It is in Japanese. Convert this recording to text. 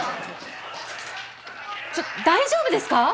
ちょっと大丈夫ですか？